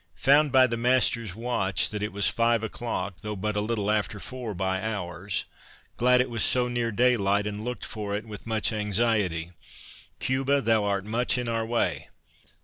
Found by the master's watch that it was five o'clock, though but a little after four by ours; glad it was so near daylight, and looked for it with much anxiety. Cuba, thou art much in our way!